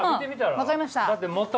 わかりました。